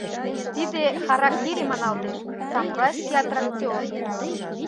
Тиде «харакири» маналтеш, самурайский аттракцион...